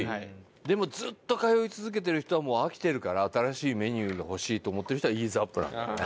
でもずっと通い続けてる人はもう飽きてるから新しいメニューが欲しいと思ってる人はイーズアップなんだろうね。